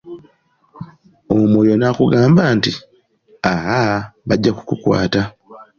Omwoyo n’akugamba nti, "Aaa..bajja kukukwata".